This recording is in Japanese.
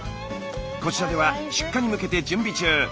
こちらでは出荷に向けて準備中。